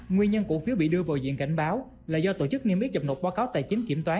nguyên nhân cổ phiếu bị đưa vào diện cảnh báo là do tổ chức niêm yếp dọc nộp báo cáo tài chính kiểm toán